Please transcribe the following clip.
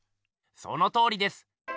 そのとおりです！